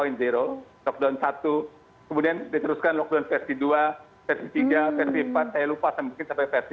dan itu dia pakai lockdown satu lockdown satu kemudian diteruskan lockdown versi dua versi tiga versi empat saya lupa mungkin sampai versi lima